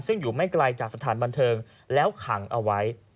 ซึ่งอยู่ไม่ไกลจากสถานบันเทิงแล้วขังเอาไว้